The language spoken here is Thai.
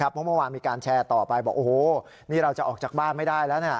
เพราะเมื่อวานมีการแชร์ต่อไปบอกโอ้โหนี่เราจะออกจากบ้านไม่ได้แล้วนะ